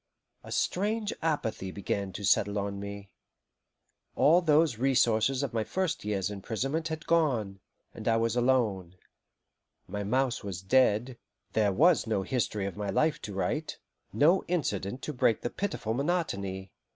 A strange apathy began to settle on me. All those resources of my first year's imprisonment had gone, and I was alone: my mouse was dead; there was no history of my life to write, no incident to break the pitiful monotony.